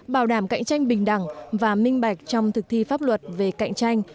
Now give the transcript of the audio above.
bảo đảm cạnh tranh bình đẳng và minh bạch trong thực thi pháp luật về cạnh tranh